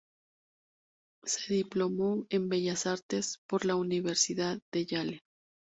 Se diplomó en Bellas Artes por la Universidad de Yale.